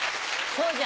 そうじゃ？